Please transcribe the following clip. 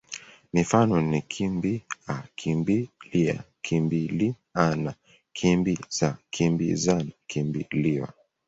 Mifano ni kimbi-a, kimbi-lia, kimbili-ana, kimbi-za, kimbi-zana, kimbi-liwa.